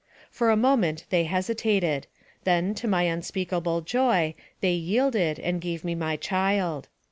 For a moment they hesitated ; then, to my unspeakable joy, they yielded, and gave me my child.